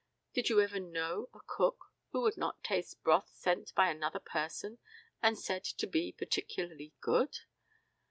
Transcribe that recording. Did you ever know a cook who would not taste broth sent by another person and said to be particularly good?